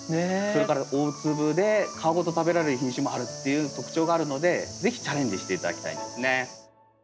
それから大粒で皮ごと食べられる品種もあるっていう特徴があるので是非チャレンジして頂きたいですね。